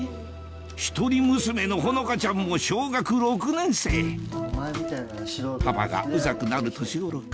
一人娘のほのかちゃんも小学６年生パパがウザくなる年頃か？